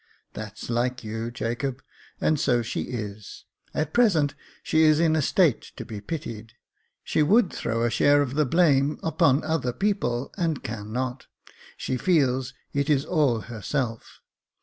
"That's like you, Jacob — and so she is. At present she is in a state to be pitied. She would throw a share of the blame upon other people, and cannot — she feels it is all herself.